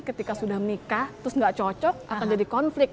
ketika sudah menikah terus nggak cocok akan jadi konflik